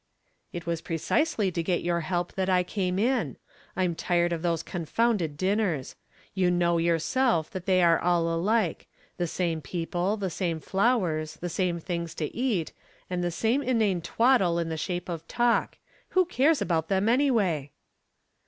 "It was precisely to get your help that I came in. I'm tired of those confounded dinners. You know yourself that they are all alike the same people, the same flowers, the same things to eat, and the same inane twaddle in the shape of talk. Who cares about them anyway?"